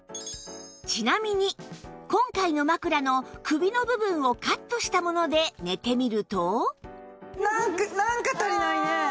ちなみに今回の枕の首の部分をカットしたもので寝てみるとなんかなんか足りないね！